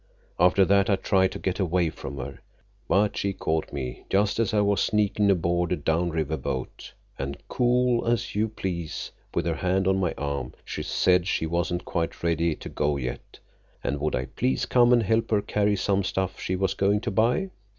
After that I tried to get away from her. But she caught me just as I was sneakin' aboard a down river boat, and cool as you please—with her hand on my arm—she said she wasn't quite ready to go yet, and would I please come and help her carry some stuff she was going to buy.